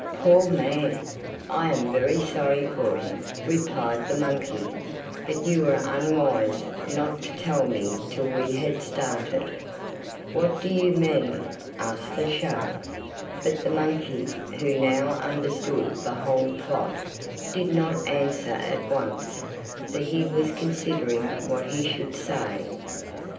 'Poor man, I am very sorry for him,' replied the monkey; 'but you were unwise not to tell me till we had started.' 'What do you mean?' asked the shark; but the monkey, who now understood the whole plot, did not answer at once, for he was considering what he should say.